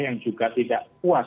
yang juga tidak puas